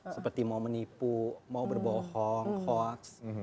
seperti mau menipu mau berbohong hoax